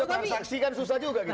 tapi kalau transaksikan susah juga kita